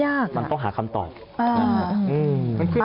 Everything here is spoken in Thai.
ยากนะครับมันต้องหาคำตอบอืมอืม